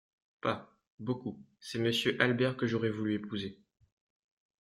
Pas, beaucoup ; c’est Monsieur Albert que j’aurais voulu épouser !